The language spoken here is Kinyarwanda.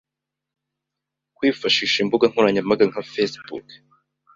Kwifashisha imbuga nkoranyambaga nka facebook,